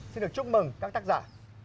xin được chúc mừng các tác giả